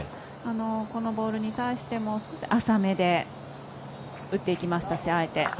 このボールに対しても浅めで打っていきましたし、あえて。